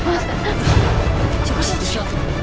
mas selamat tinggal